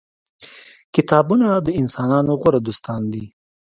کتابونه د انسانانو غوره دوستان دي.